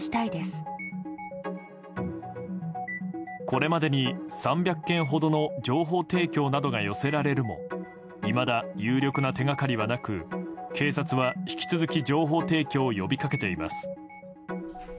これまでに３００件ほどの情報提供などが寄せられるもいまだ有力な手掛かりはなく警察は引き続き情報提供を呼び掛けています。